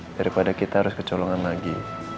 daripada kita harus kecolongan lagi